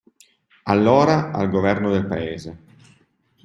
Allora al governo del Paese.